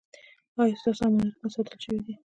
ایا ستاسو امانتونه ساتل شوي دي؟